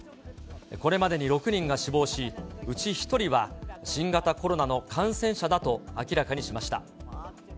これまでに６人が死亡し、うち１人は新型コロナの感染者だと明らかにしました。